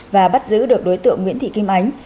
và bắt giữ được đối tượng nguyễn thị kim ánh